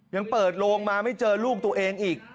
ยังเปิดโลงมาไม่เจอลูกตัวเองอีก